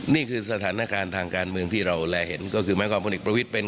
นี่คือสถานการณ์ทางการเมืองที่เราแลเห็นก็คือหมายความพลเอกประวิทย์เป็น